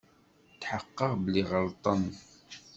Tḥeqqeɣ belli ɣelṭen.